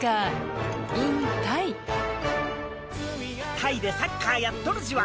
タイでサッカーやっとるじわ。